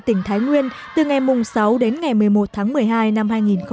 tỉnh thái nguyên từ ngày sáu đến ngày một mươi một tháng một mươi hai năm hai nghìn một mươi chín